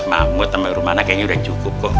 mak buat temen rumana kayaknya udah cukup kok